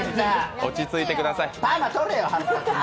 落ち着いてください。